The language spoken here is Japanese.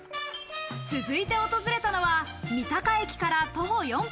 続いて訪れたのは三鷹駅から徒歩４分、